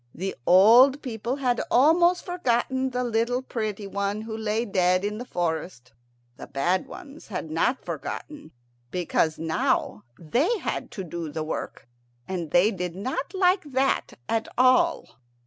The old people had almost forgotten the little pretty one who lay dead in the forest. The bad ones had not forgotten, because now they had to do the work, and they did not like that at all.